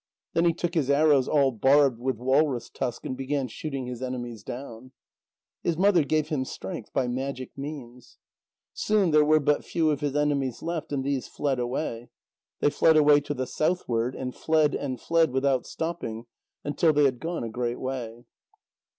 Then he took his arrows all barbed with walrus tusk, and began shooting his enemies down. His mother gave him strength by magic means. Soon there were but few of his enemies left, and these fled away. They fled away to the southward, and fled and fled without stopping until they had gone a great way.